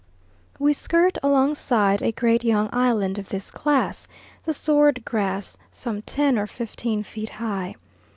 We skirt alongside a great young island of this class; the sword grass some ten or fifteen feet high.